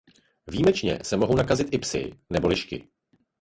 Výjimečně se mohou nakazit i psi nebo lišky.